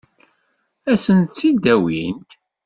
Ad sent-tt-id-awint?